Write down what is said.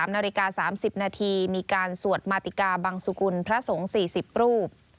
นาฬิกา๓๐นาทีมีการสวดมาติกาบังสุกุลพระสงฆ์๔๐รูป